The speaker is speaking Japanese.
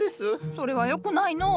それはよくないのう。